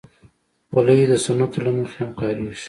خولۍ د سنتو له مخې هم کارېږي.